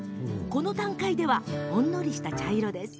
この段階では、ほんのりした茶色。